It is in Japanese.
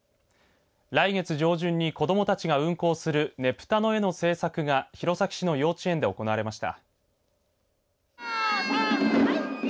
来月上旬に子どもたちが運行するねぷたの絵の制作が弘前市の幼稚園で行われました。